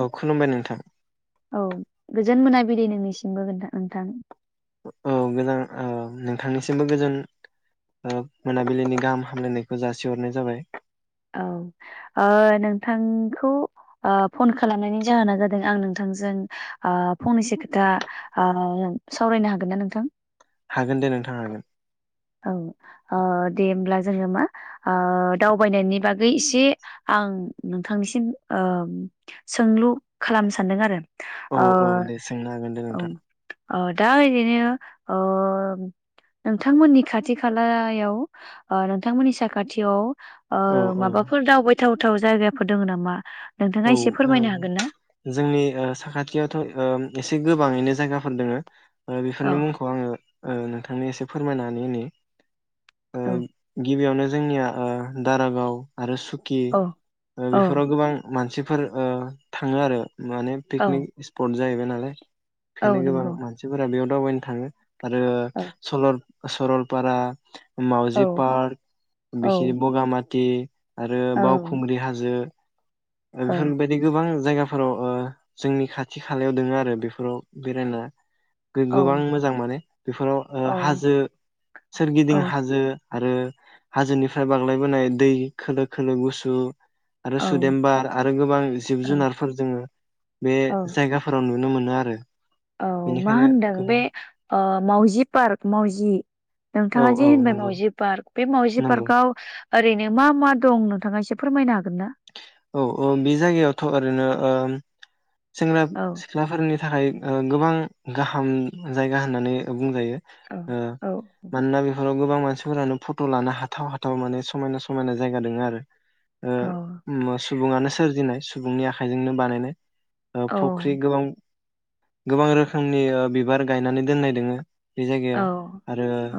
औ खुलुमबाय नोंथां। गोजोन मोनाबिलि नोंनिसिमबो ओनथा ओनथां। औ गोजोन ओ नोंथांनिसिमबो गोजोन ओ मोनाबिलिनि गाहाम हामलायनायखौ जासिहरनाय जाबाय। औ ओ नोंथांखौ ओ फन खालामनायनि जाहोना जादों आं नोंथांजों आ फंनैसो खोथा आ सावरायनो हागोन ना नोंथां? हागोन दे नोंथां हागोन। औ ओ दे होमब्ला जोङो मा आ दावबायनायनि बागै एसे आं नोंथांनिसिम ओ सोंलु खालामनो सानदों आरो। औ ओ औ दे सोंनो हागोन दे औ नोंथां अ दा ओरैनो अ नोंथांमोननि खाथि खालायाव नोंथांमोननि साखाथियाव ओ औ औ माबाफोर दावबाय थाव-थाव जायगाफोर दङ नामा? नोंथाङा औ ओ एसे फोरमायनो हागोन ना? जोंनि ओ साखाथियावथ ओ एसे गोबाङैनो जायगाफोर दोङो। ओ औ बेफोरनि मुंखौ आङो ओ नोंथांनो एसे फोरमायनानै होनि। ओ औ गिबियावनो जोंनिया ओ दारागाव आरो सु कि औ औ बेफोराव गोबां मानसिफोर ओ थाङो आरो। माने औ पिकनिक सप्ट जाहैबाय नालाय औ बेखायनो गोबां नंगौ मानसिफोरा बेयाव दावबायनो थाङो। आरो औ सलर सरलपारा औ माउजि पार्क औ औ बिखि बगामाथ दि आरो बावखुंग्रि हाजो औ बेफोरबायदि गोबां जायगाफोराव ओ जोंनि खाथि खालायाव दोङो आरो बेफोराव बेरायना औ गोबां मोजां माने बेफोराव हाजो सोरगिदिं हाजो आरो हाजोनिफ्राय बाग्लायबोनाय दै खोलो खोलो गुसु आरो सुद औ देमबार आरो गोबां जिब औ जुनारफोर दोङो बे औ जायगाफोराव नुनो मोन नो आरो औ मा बेनिखायनो होनदों गोबां बे ओ माउजि पार्क माउजि औ नोंथाङा जे औ होनबाय नंगौ मावजि पार्क बे मावउजि नंगौ पार्कआव ओरैनो मा मा दं नोंथाङा एसे फोरमायनो हागोन ना?? औ औ बे जायगायावथ ओरैनो सेंग्रा औ सिख्लाफोरनि थाखाय गोबां गाहाम जायगा होननानै बुंजायो औ ओ औ मानोना बिफोराव गोबां मानसिफोरानो फट लानो हाथाव हाथाव माने समायना समायना जायगा दोंङो आरो। औ सुबुङानो सोरजिनाय सुबुंनि आखाइजोंनो बानायनाय औ फुख्रि गोबां गोबां रोखोमनि बिबार गायनानै दोननाय दोङो बे औ जायगायाव आरो। औ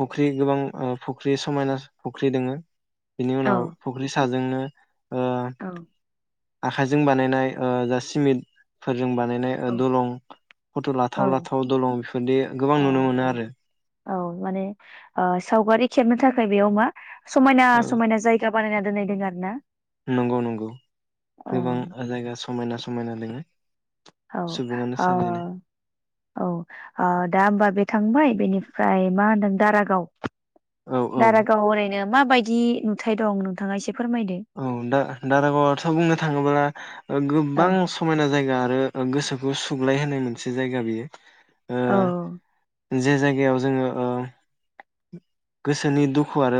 फुख्रि गोबां फुख्रि समायना फुख्रि दोङो। बिनि उनाव फुख्रि साजोब जोंनो औ। आखाइजों बानायनाय। ओ जा सिमितफोर जों बानायनाय दलं फट लाथाव औ लाथाव दलं बेफोरदि गोबां नुनो मोनो आरो। औ माने सावगारि खेबनो थाखाय बेयाव मा समायना औ समायना जायगा बानायना दोननाय दोंयो आरो ना नंगौ नंगौ औ गोबां जायगा समायना समायना दोङो। औ सुबुङानो औ सोरजिनाय ओ दा होमबा बे थांबाय बेनिफ्राय ओमफ्राय मा होनदों दारागाव औ औ दारागाव रायनो मााबायदि नुथाय दं नोंथाङा एसे फोरमायदो औ दा दारागावआवथ बुंनो थाङोब्ला औ गोबां समायना जायगा आरो आरो गोसोखौ सुग्लाय होनाय मोनसे जायगा बेयो। ओ औ। जे जायगायाव जोङो ओ। गोसोनि दुखु आरो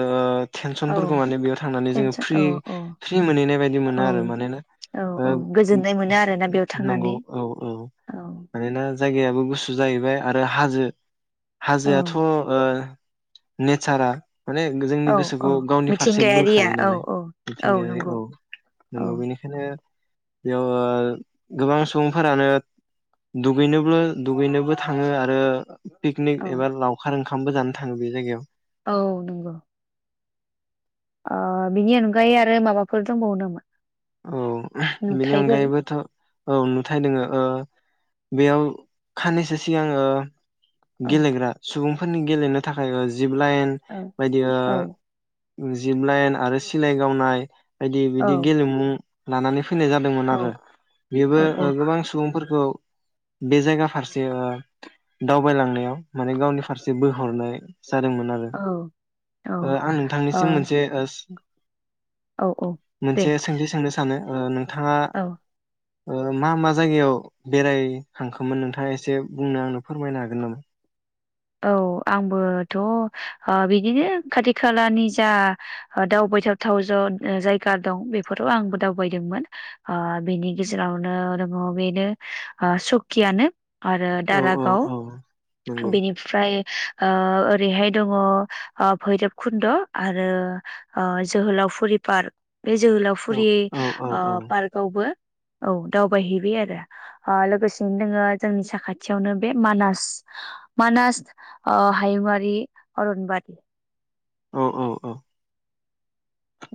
टेनसनफोरखौ औ माने बेयाव थांनानै जोङो टेनसन फ्रि औ औ फ्रि मोनहैनाय बायदि औ मोनो आरो मानो औ औ गोजोननाय मोनो आरोना बेयाव नोंगौ थांनानै औ औ मानोना जायगायाबो गुसु जाहैबाय आरो हाजो हाजोायथ औ ओ नेचारा माने जोंनि औ औ गोसोखौ गावनि फारसे मिथिंगायारिया बोखायो औ नालाय औ मिथिंगायारि औ औ नोंगौ बेनिखायनो बेयाव ओ गोबां सुबुंफोरानो दुगैनोबल दुगैनोबो थाङो आरो पिकनिक औ एबा लावखार ओंखार ओंखामबो जानो थांओ बे जायगायाव औ नंगौ ओ बिनि अनगायै आरो माबाफोर दंबावो नामा? औ बेनि नुथायफोर अनगायैबोथ औ नुथाय दोङो ओ बेयाव खानैसो सिगांओ औ गेलेग्रा सुबुं फोरनि गेलेनो थाखाय ओ जिब लाइन औ बायदि ओ औ जिब लाइन आरो सिलाय गावनाय बायदि औ बिदि गेलेमु लानानै फैनाय जादोंमोन औ आरो बेबो औ गोबां सुबुंफोरखौ बे जायगा फारसे ओ दावबायलांनायाव माने गावनि फारसे बोहरनाय जादोंमोन आरो ओ आं नोंथांनिसिम मोनसे ओ औ औ दे मोनसे सोंथि सोंनो सानो ओ नों थाङा औ ओ मा मा जायगायाव बेरायखांखोमोन नोंथाङा एसे बुंनाे आंनो फोरमायनो हागोन नामा? औ आंबोथ ओ बिदिनो खाथि खालानि जा दावबायथावथाव ज जायगा दं बेफोराव आंबो दावबायदोंमोन अ बेनि गेजेरावनो दङ बेनो सकियानो आरो औ औ दारागाव औ नंगौ बेनिफ्राय ओ ओरैहाय दङ भैरब खुन्द आरो ओ जोहोलावफुरि पार्क बे औ जोहोलावफुरि औ औ ओ औ पार्कआवबो औ दावबायहैबाय आरो अ लोगोसेनो दङो जोंनि साखाथियावनो बे मानास। मानास अ हायुंआरि अरनबारि औ औ औ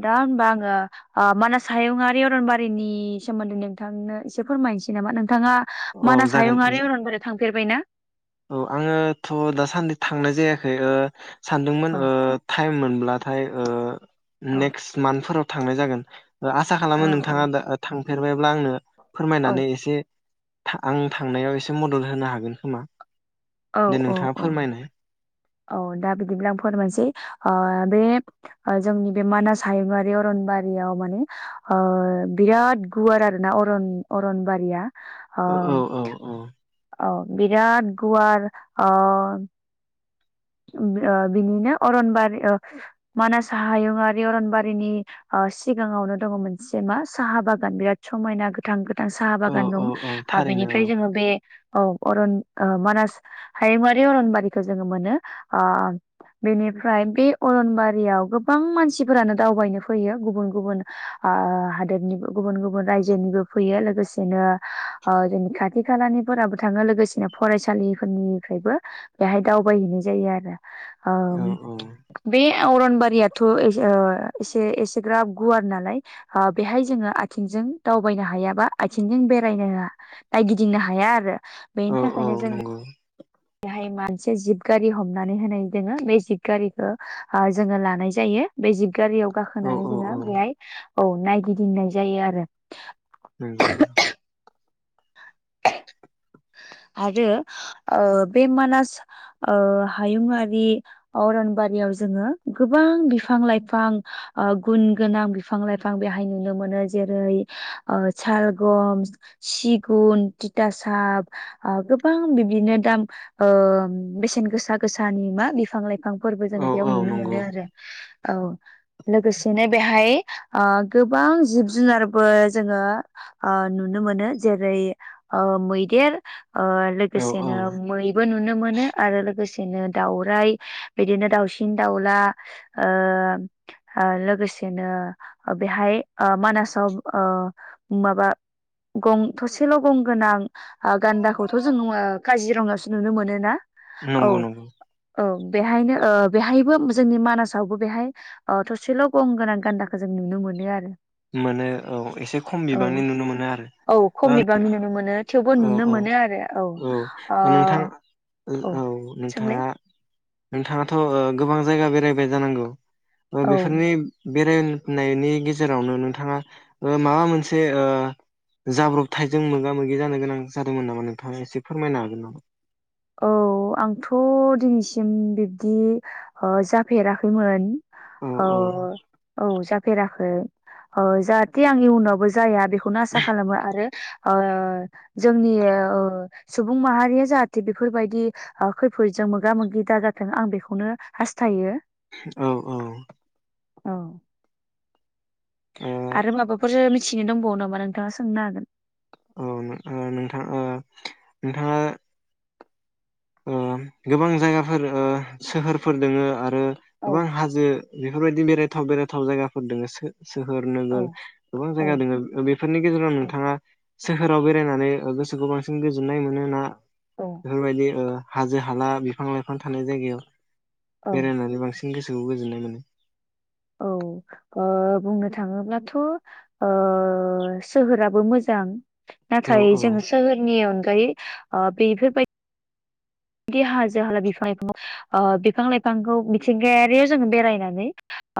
दा होनबा आङो ओ मानास हायुंआरि अरनबारिनि सोमोन्दै नोंथांनो एसे फोरमायनोसै नामा नों थाङा औ मानास जागोन हायुंआरि अरन बोरियाव थां फेरबायना? औ आङोथ' दासान्दि थांनाय जायाखै ओ सानदोंमोन अ ओ टाइम मोनब्ला थाय ओ औ नेक्स मान फोराव थांनाय जागोन। ओ आसा औ खालामो नोंथाङा दा थां फेरबायब्ला आंनो औ फोरमायनानै एसे आं थांनायाव एसे मदद होनो हागोन खोमा औ, दे औ, नोंथाङा औ, फोरमायनाय औ दा बिदिब्ला आं फोरमायसै ओ बे ओ जोंनि बे मानास हायुंआरि अरनबारियाव माने ओ बिराद गुवार आरोना अरन अरनबारिया। ओ, औ -औ-औ ओ बिराद गुवार अ ओ बिनिनो अरनबारि ओ मानास हायुंआारि अरनबारिनि ओ सिगाङावनो दङ मोनसे मा साहा बागान बिराद समायना गोथां साहा औ बागान औ दं औ ओ थारैनो बेनिफ्राय जोङो बे औ अरन ओ मानास हायुंआरि अरनबारिखौ जोङो मोनो। आ बेनिफ्राय बे अरनबारियाव गोबां मानसिफोरानो दावबायनो फैयो गुबुन गुबुन आ हादोरनिबो गुबुन गुबुन रायजोनिबो फैयो लोगोसेनो ओ जोंनि खाथि खालानिफोराबो थाङो लोगोसेनो फरायसालिफोरनिफ्रायबो बेहाय दावबायहैय जायो आरो औ ओम बे अरनबारियाथ' ओ एसे एसेग्राब गुवार नालाय आ बेहाय जोङो आथिंजों दावबायनो हाया बा आथिंजों बेरायनो नायगिदिंनो हाया आरो औ बेनि औ थाखायनो जों नंगौ [unintelligible] मोनसे जिब गारि हमनानै होनाय दोङो बे जिब गारिखो जों लानाय जायो बे जिब गारियाव औ गाखोनानै औ औ जोङो बेहाय औ नायगिदिंनाय जायो आरो नंगौ, नंगौ। आरो ओ बे मानास ओ हायुंआारि अरनबारियाव जोङो गोबां बिफां लाइफां ओ गुन गोनां बिफां लाइफां बेहाय नुनो मोनो। जेरै ओ सालगम सि गुन तिथा साब गोबां बिबदिनो दाम ओ बेसेन गोसा गोसानि मा बिफां लाइफां बिफां फोरबो जों औ बेयाव औ नुनो मोनो नंगौ आरो औ लोगोसेनो बेहाय ओ गोबां जिब जुनारबो जोङो ओ नुनो मोनो। जेरै ओ मैदेर ओ औ औ लोगोसेनो मैबो नुनो मोनो आरो लोगोसे बिदिनो दावराइ बिदिनो दाउसिन दाउला ओ, ओ लोगोसेनो ओ बेहाय ओ मानासाव ओ माबा गं थसेल गंगोनां आ गान्दाखौथ' जों नु आ काजिरङायावसो नुनो मोनोना? औ नंगौ, नंगौ। औ बेहायनो ओ बेहायबो जोंनि मानासावबो बेहाय ओ थसेल गंगोनां गान्दाखो जों नुनो मोनो आरो मोनो औ एसे खम बिबांनि नुनो मोनो आरो। खमनिबांनि नुनो मोनो। थेवबो औ नुनो औ मोनो आरो औ ओ नोंथां औ सोंलाय नोंथाङाथ गोबां जायगा बेरायबाय जानांगौ ओ औ बेफोरनि बेरायनायनि गेजेरावनो नोंथाङा ओ माबा मोनसे ओ जाब्रबथायजों मोगा मो गि जानो गोनां जादोंमोन नामा नोंथाङा एसे फोरमायनो हागोन नामा। औ आंथ दिनैसिम बिब्दि ओ जाफेराखैमोन। औ औ जा फेराखै ओ जाहाथे आं इयुनावबो जाया बे बेखौनो आसा खालामो आरो ओ जोंनि ओ सुबुं माहारिया जाहा थे बेफोरबायदि ओ खैफोदजों मोगा मोगि दाजाथों आं बेखौनो हास्थायो। औ औ औ ओ आरो माबाफोर मि थिनो दंबावो नामा नोंथांङा सोंनो हागोन। औ नों नोंथां ओ नोंथांङा ओ गोबां जायगाफोर ओ सोहोरफोर दोंङो आरो औ गोबां हाजो बेफोरबायदि बेेराय थाव बेरायथाव जायगाफोर दोंङोसो। सोहोर औ नोगोर गोबां औ जायगा दोंङो बेफोरनि गेजेराव नोंथाङा सोहोराव बेरायनानै गोसोखौ बांसिन गोजोननाय मोनो ना औ बेफोरबायदि ओ हाजो हाला बिफां लायफां थानाय जायगायाव औ बेरायनानै बांसिन गोसोखौ गोजोननाय मोनो। औ ओ बुंनो थांङोब्लाथ ओ सोहोराबो मोजां औ नाथाय औ जों सोहोरनि अन गायै ओ बेफोरबाय दि हाजो हाला बिफां लायफांङाव ओ बिफां लायफांखौ मिथिंगायारियाव जोंङो बेरायनानै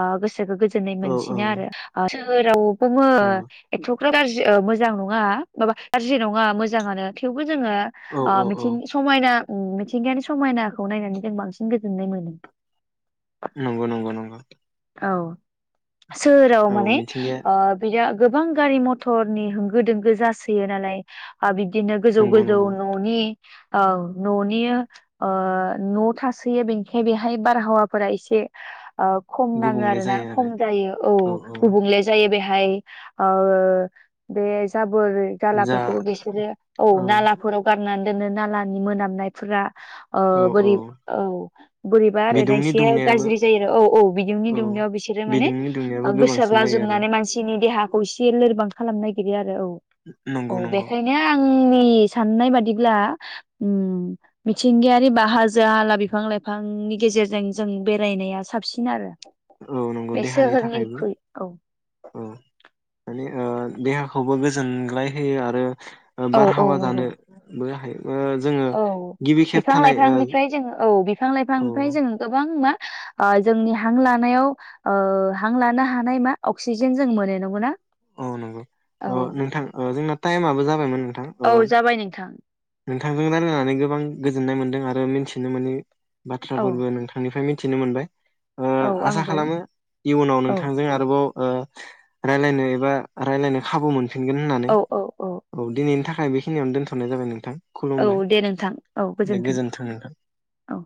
ओ गो सोखौ गोजोननाय औ औ मोनसिनो आरो। सोहोराव बुंङो‌ नंगौ एथ फोर‌ गाज्रि ओ मोजां नङा माबा गाज्रि नङा मोजांङानो थेवबो जोंङो औ ओ औ औ मिथिं समायना ओ मिथिंगानि समायनाखौ नायनानै जों बांसिन गोजोननाय मोनो। नंगौ नंगौ नंगौ। औ। सोहोराव औ माने मिथिंगाया ओ बिराद गोबां गारि मथरनि होंगो दोंगो जासोयो नालाय आ बि दिनो गोजौ नंगौ गोजौ नंगौ ननि औ ननिआ ओ न थासोयो बेनिखाय बेहाय बारहावाफोरा एसे ओ खम नाङो गुबुंले आरोना जायो खम आरो जायो औ गुबुंले जायो बेहाय हाय ओ बे जा बोरै जा जालाफोरखौ बिसोरो औ नालाफोराव गार [unintelligible] दोनो नालानि मोनामनायफोरा। ओ बोरै औ बोरैबा आरो ना बिदुंनि इसे दुंनायाबो गाज्रि जायो आरो औ औ। बिदिुंनि दुंनाययाव बिसोरो माने बिदुंनि दुंनायाबो ओ गोबांसिन गोसोरला जायो आरो जोबनानै मानसिनि देहा खौ इसे लोरबां खालामनो नागिरो आरो औ। औ नंगौ नंगौ। बेखायनो आंनि साननाय बादिब्ला ओम मिथिंगायारि बा हाजो हाला बिफां लाइफांनि गेजेरजों जों बेरायनाया साबसिन बिनो आरो। औ नंगौ बे देहानि थाखायबो सोहोरनिख्रुइ औ औ मानिे ओ देहाखौबो गोजोनग्लाय होयो आरो ओ औ औ बारहावा नंगौ जानोबो हायो। ओ जोङो औ गिबि खेब बिफां थानाय ओ लाइफांनिफ्राय जोङो औ बिफां औ लाइफांनिफ्राय जोंङो गोबां मा ओ जोंनि हां लानायाव ओ हां लानो हानाय मा अक्सिजेन जों मोनो नंगौना? औ नंगौ औ ओ नोंथां ओ जोंना टाइमाबबो जाबायमोन नथां औ ओ जाबाय नोंथां नोंथांजों रायलनानै गोबां गोजोननाय मोन्दों आरो मिथिनो मोनै औ बाथ्राफोरबो नोंथांनिफ्राय मि मिथिनो मोनबाय ‌ ओ औ आसा आंबो खालामो इयुनाव औ नोंथांजों आरोबाव ओ रालानाय बाद रायलायनो खाबु मोन फिनगोन होननानै औ औ औ दिनैनि थाखा आं बेिखिनियावनो दोनथनाय जाबाय नोंथां। औ खुलुमबाय दे नोंथां औ दे गोजोन्थों नोंथां। औ।